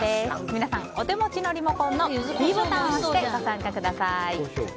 皆さん、お手持ちのリモコンのｄボタンからご参加ください。